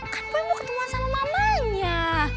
kan boy mau ketemuan sama mamanya